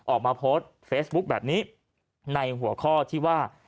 ออกมาโพสต์เฟซบุ๊คแบบนี้ในหัวข้อที่ว่า